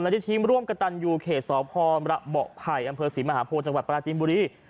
และที่ทีมร่วมกระตันอยู่เขตสอบพรระเบาะไพรอำเภอศรีมหาโพธิ์จังหวัดปราจินบุรี